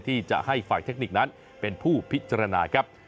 ที่จะให้ฝ่ายเทคนิคนั้นเป็นผู้พิจารณาครับ